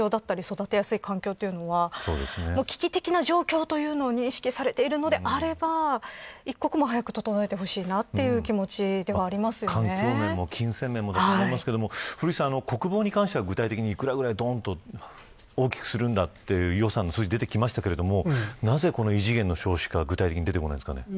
誰もが安心して産める環境だったり育てやすい環境というの危機的な状況というのに意識されているのであれば一刻も早く整えてほしいなという環境面も金銭面でもだと思いますが国防に関しては具体的に幾らぐらい、どんと大きくするんだという予算の数字が出てきましたがなぜ異次元の少子化